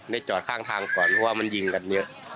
จอดข้างทางก่อนเพราะว่ามันยิงกันเยอะ